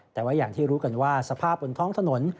แต่ว่าอย่างที่รู้กันว่าสภาพบนท้องถนน